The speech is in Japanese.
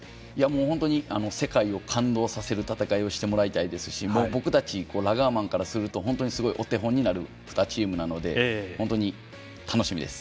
本当に世界を感動させる戦いをしてもらいたいですし僕たち、ラガーマンからすると本当にすごいお手本になる２チームなので本当に楽しみです。